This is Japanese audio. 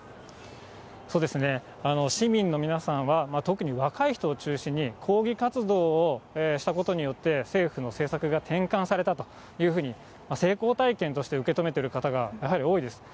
市民の皆さんは、特に若い人を中心に、抗議活動をしたことによって、政府の政策が転換されたというふうに、成功体験として受け止めてる方がやはり多いです。